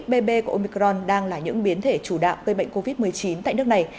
các biến thể phụ xbb của omicron đang là những biến thể chủ đạo gây bệnh covid một mươi chín tại nước này